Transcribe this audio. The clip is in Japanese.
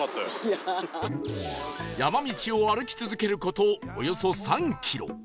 山道を歩き続ける事およそ３キロ